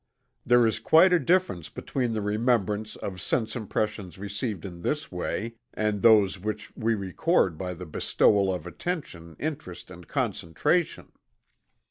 There is quite a difference between the remembrance of sense impressions received in this way, and those which we record by the bestowal of attention, interest and concentration.